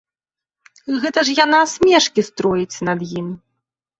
Гэта ж яна смешкі строіць над ім.